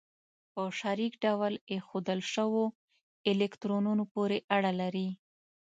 په شریک ډول ایښودل شوو الکترونونو پورې اړه لري.